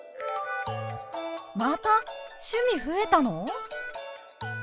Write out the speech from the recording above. また趣味増えたの！？